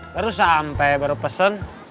baru sampai baru pesen